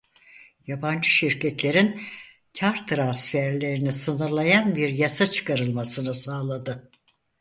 Yabancı şirketlerin kâr transferlerini sınırlayan bir yasa çıkarılmasını sağladı.